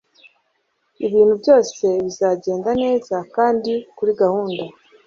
Ibintu byose bizagenda neza kandi kuri gahunda.